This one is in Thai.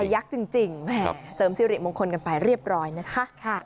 ยักษ์จริงเสริมสิริมงคลกันไปเรียบร้อยนะคะ